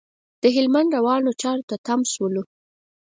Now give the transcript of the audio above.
د هلمند روانو چارو ته تم شولو.